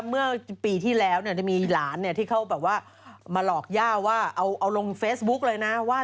ก็ปีที่แล้วเนี่ยมีหลานที่เข้าแบบว่ามมาหลอกญ้าวว่า